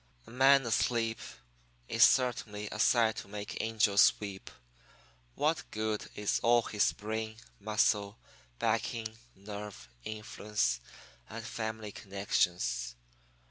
"A man asleep is certainly a sight to make angels weep. What good is all his brain, muscle, backing, nerve, influence, and family connections?